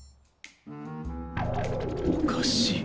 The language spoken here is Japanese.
おかしい。